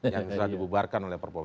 yang sudah dibubarkan oleh perpol